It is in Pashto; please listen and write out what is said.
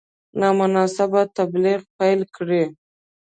نامناسب تبلیغ پیل کړي.